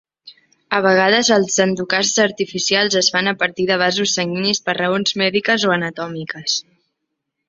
A vegades, els endocasts artificials es fan a partir de vasos sanguinis per raons mèdiques o anatòmiques.